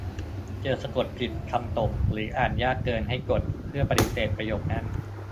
เจอสะกดผิด คำตก หรืออ่านยากเกิน ให้กด เพื่อปฏิเสธประโยคนั้น